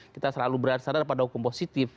kita selalu berada pada hukum positif